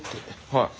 はい。